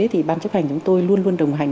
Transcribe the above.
thì ban chấp hành chúng tôi luôn luôn đồng hành